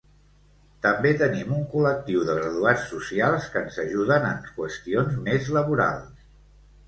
També tenim un col·lectiu de graduats socials que ens ajuden en qüestions més laborals.